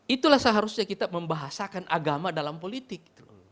itulah seharusnya kita membahasakan agama dalam politik